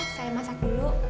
saya masak dulu